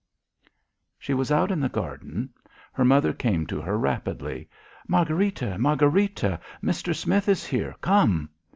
She was out in the garden. Her mother came to her rapidly. "Margharita! Margharita, Mister Smith is here! Come!"